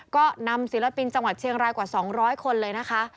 ก็นำศิลปินจังหวัดเชียงรายกว่า๒๐๐คนเลยนะคะ